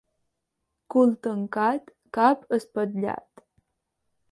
Cul tancat, cap espatllat.